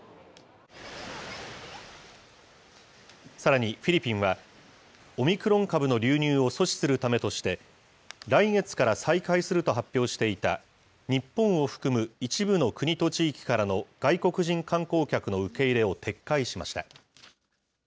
さらにフィリピンは、オミクロン株の流入を阻止するためとして、来月から再開すると発表していた日本を含む一部の国と地域からの外国人観光客の受け入れを撤回しました。